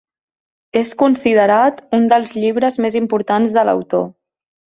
És considerat un dels llibres més importants de l'autor.